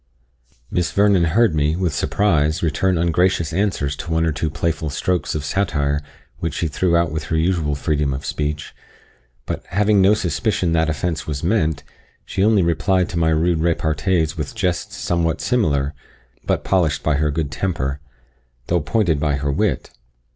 Miss Vernon heard me, with surprise, return ungracious answers to one or two playful strokes of satire which she threw out with her usual freedom of speech; but, having no suspicion that offence was meant, she only replied to my rude repartees with jests somewhat similar, but polished by her good temper, though pointed by her wit.